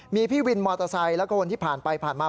มีพี่วินมอเตอร์ไซค์แล้วก็คนที่ผ่านไปผ่านมา